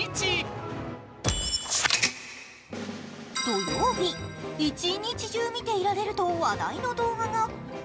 土曜日、一日中見ていられると話題の動画が。